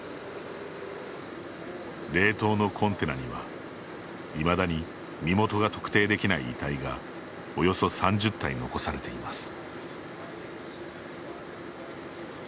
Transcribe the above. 冷凍のコンテナには、いまだに身元が特定できない遺体がおよそ３０体残されています。